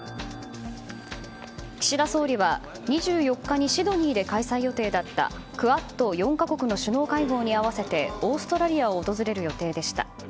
岸田総理は、２４日にシドニーで開催予定だったクアッド４か国の首脳会合に合わせてオーストラリアを訪れる予定でした。